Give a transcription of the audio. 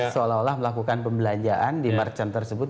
seolah olah melakukan pembelanjaan di merchant tersebut